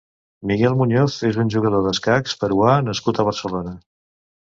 Miguel Muñoz és un jugador d'escacs peruà nascut a Barcelona.